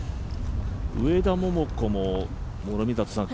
上田桃子も諸見里さん